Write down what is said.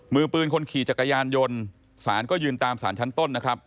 มือปืนคนขี่จักรยานยนต์ศาลก็ยืนตามศาลชั้นต้น